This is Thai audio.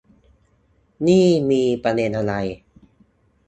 นี่มีประเด็นอะไร